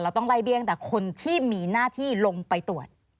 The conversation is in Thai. ต้องไล่เลี่ยงแต่คนที่มีหน้าที่ลงไปตรวจ